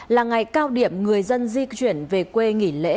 là ngày cao điểm người dân di chuyển về quê nghỉ lễ